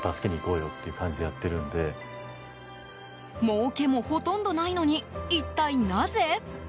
もうけもほとんどないのに一体なぜ？